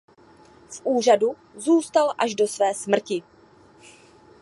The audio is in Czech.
V úřadu zůstal až do své smrti.